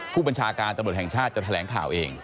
ผู้บัญชาการตำรวจแห่งชาติจะแถลงข่าวเอง